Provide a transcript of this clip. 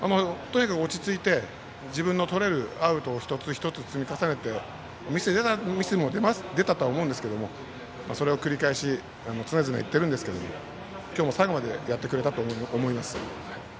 とにかく落ち着いて自分のとれるアウトを一つ一つ積み重ねてミスも出たとは思いますがそれを繰り返し常々言ってるんですが今日も最後までやってくれたと思います。